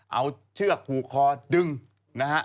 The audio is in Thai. เอาเชือกผูกคอดึงนะฮะ